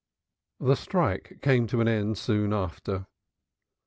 The strike came to an end soon after.